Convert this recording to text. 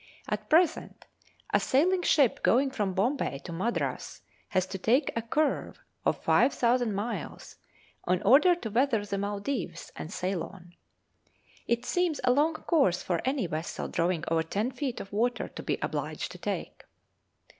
At present a sailing ship going from Bombay to Madras has to make a curve of five thousand miles in order to weather the Maldives and Ceylon. It seems a long course for any vessel drawing over ten feet of water to be obliged to take.